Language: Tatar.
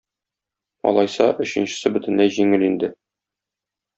Алайса, өченчесе бөтенләй җиңел инде